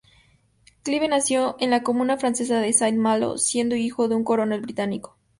Clive nació en la comuna francesa de Saint-Malo, siendo hijo de un coronel británico.